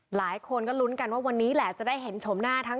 หลายคนก็ลุ้นกันว่าวันนี้แหละจะได้เห็นชมหน้าทั้ง